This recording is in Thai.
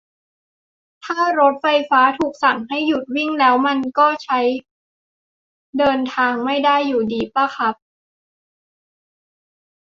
ถ้ารถไฟฟ้าถูกสั่งให้หยุดวิ่งแล้ว มันก็ใช้เดินทางไม่ได้อยู่ดีปะครับ